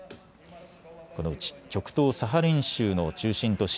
このうち極東サハリン州の中心都市